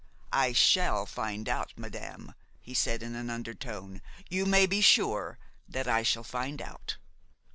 "I shall find out, madame," he said in an undertone; "you may be sure that I shall find out."